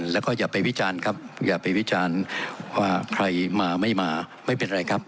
แล้วก็อย่าไปวิจารณ์ครับอย่าไปวิจารณ์ว่าใครมาไม่มาไม่เป็นไรครับ